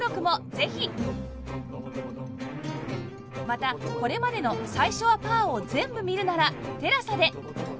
またこれまでの『最初はパー』を全部見るなら ＴＥＬＡＳＡ で